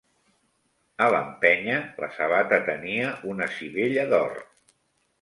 A l'empenya, la sabata tenia una sivella d'or.